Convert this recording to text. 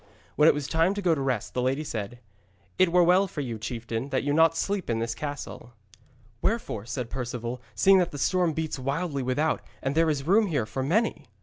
When it was time to go to rest, the lady said: 'It were well for you, chieftain, that you sleep not in this castle.' 'Wherefore,' said Perceval, 'seeing that the storm beats wildly without and there is room here for many?'